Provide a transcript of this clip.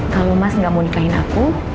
kalau mas nggak mau nikahin aku